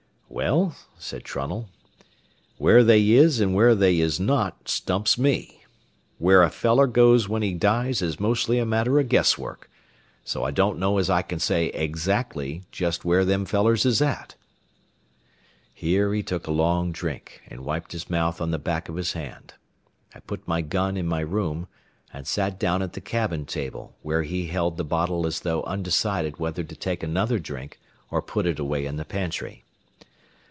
"Well," said Trunnell, "where they is an' where they is not, stumps me. Where a feller goes when he dies is mostly a matter o' guesswork, so I don't know as I can say eggzackly jest where them fellers is at." Here he took a long drink, and wiped his mouth on the back of his hand. I put my gun in my room, and sat down at the cabin table, where he held the bottle as though undecided whether to take another drink or put it away in the pantry.